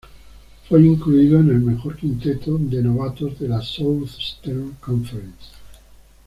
Fue incluido en el mejor quinteto de novatos de la Southeastern Conference.